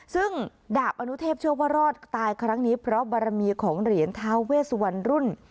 ซึ่งดาบอนุเทพเชื่อว่ารอดตายครั้งนี้เพราะบารมีของเหรียญท้าเวสวันรุ่น